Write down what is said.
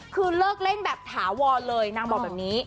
คือเลิกเล่นแบบถาวรเลยนางบอกแบบนี้